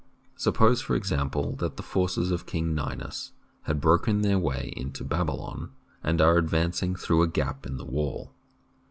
Suppose, for example, that the forces of King Ninus have broken their way into Babylon and are advancing through a gap in the wall.